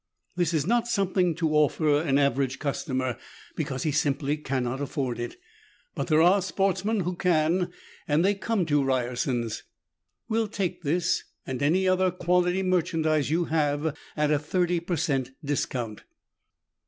This is not something to offer an average customer because he simply cannot afford it. But there are sportsmen who can, and they come to Ryerson's. We'll take this, and any other quality merchandise you have, at a thirty per cent discount."